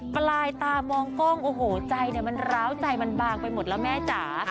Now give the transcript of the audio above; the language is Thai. ปลายตามองกล้องโอ้โหใจมันร้าวใจมันบางไปหมดแล้วแม่จ๋า